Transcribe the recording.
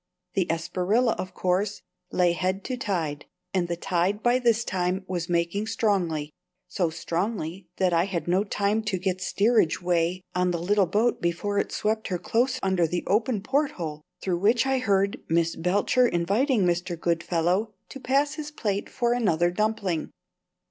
The Espriella, of course, lay head to tide, and the tide by this time was making strongly so strongly that I had no time to get steerage way on the little boat before it swept her close under the open porthole through which I heard Miss Belcher inviting Mr. Goodfellow to pass his plate for another dumpling.